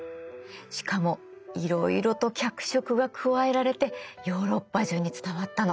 しかもいろいろと脚色が加えられてヨーロッパ中に伝わったの。